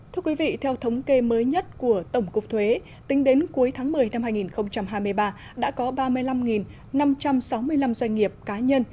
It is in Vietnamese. thưa quý vị theo thống kê mới nhất của tổng cục thuế tính đến cuối tháng một mươi năm hai nghìn hai mươi ba đã có ba mươi năm năm trăm sáu mươi năm doanh nghiệp cá nhân